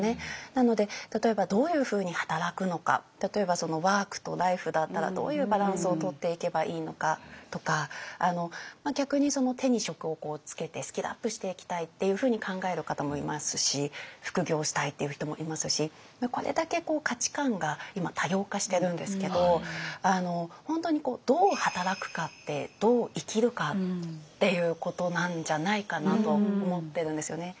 なので例えばどういうふうに働くのか例えばワークとライフだったらどういうバランスをとっていけばいいのかとか逆に手に職をつけてスキルアップしていきたいっていうふうに考える方もいますし副業したいっていう人もいますしこれだけ価値観が今多様化してるんですけど本当にどう働くかってどう生きるかっていうことなんじゃないかなと思ってるんですよね。